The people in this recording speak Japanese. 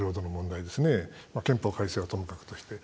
憲法改正はともかくとして。